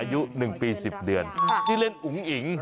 อายุหนึ่งปีสิบเดือนที่เล่นอุ๋งหญิง